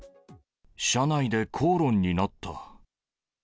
車内で口論になった。